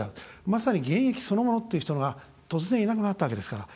まさに現役そのものっていう人が突然いなくなったわけですから。